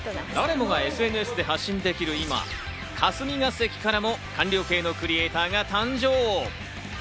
誰もがＳＮＳで発信できる今、霞が関からも官僚系のクリエイターが誕生。